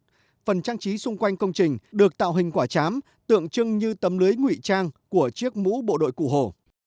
phần trang trí xung quanh công trình được tạo hình quả chám tượng trưng như tấm lưới ngụy trang của chiếc mũ bộ đội cụ hồ